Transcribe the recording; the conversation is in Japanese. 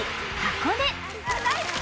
箱根